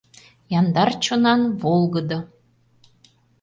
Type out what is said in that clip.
Яндар чонан — волгыдо.